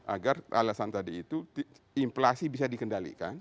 agar alasan tadi itu inflasi bisa dikendalikan